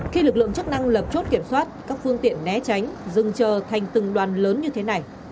khi lực lượng chức năng lập chốt kiểm soát các phương tiện né tránh dừng chờ thành từng đoàn lớn như thế này